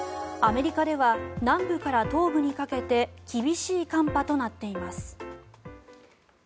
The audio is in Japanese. アメリカでは南部から東部にかけて厳しい寒波となっています。